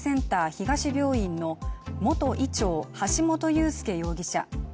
東病院の元医長・橋本裕輔容疑者。